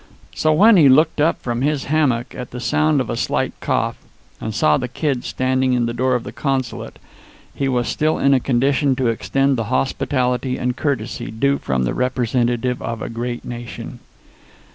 So, when he looked up from his hammock at the sound of a slight cough, and saw the Kid standing in the door of the consulate, he was still in a condition to extend the hospitality and courtesy due from the representative of a great nation.